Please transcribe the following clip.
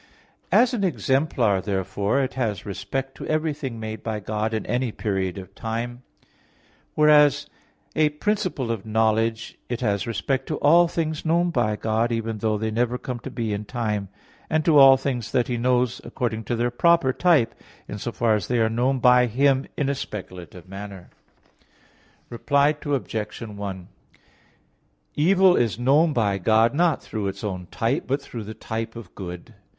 As an exemplar, therefore, it has respect to everything made by God in any period of time; whereas as a principle of knowledge it has respect to all things known by God, even though they never come to be in time; and to all things that He knows according to their proper type, in so far as they are known by Him in a speculative manner. Reply Obj. 1: Evil is known by God not through its own type, but through the type of good.